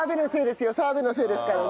澤部のせいですよ。